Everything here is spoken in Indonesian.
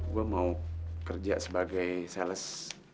gue mau kerja sebagai sales